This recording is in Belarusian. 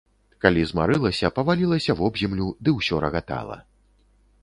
Калі змарылася, павалілася вобземлю ды ўсё рагатала.